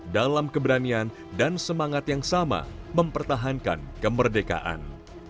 dalam keberanian dan semangat yang sama mempertahankan kemerdekaan